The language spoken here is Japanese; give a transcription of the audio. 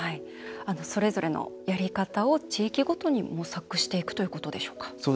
それぞれのやり方を地域ごとに模索していくということでしょうか。